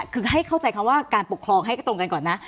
คือให้เข้าใจคำว่าการปกครองให้ก็ตรงกันก่อนนะ